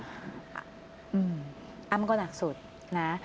อ้าวมันก็หนักสุดนะ